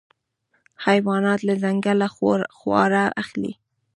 حیوانات له ځنګله خواړه اخلي.